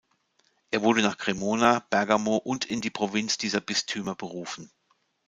Er wurde nach Cremona, Bergamo und in die Provinz dieser Bistümer berufen.